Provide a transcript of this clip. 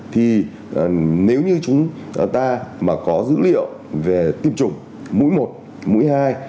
thì nếu như chúng ta mà có dữ liệu về tiêm chủng mũi một mũi hai